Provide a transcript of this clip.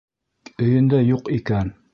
Өйөндә юҡ икән.